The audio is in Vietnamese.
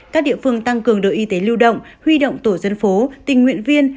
các địa phương tăng cường đội y tế lưu động huy động tổ dân phố tình nguyện viên